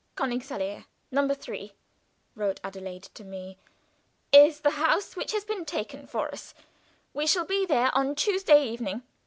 "Königsallée, No. 3," wrote Adelaide to me, "is the house which has been taken for us. We shall be there on Tuesday evening."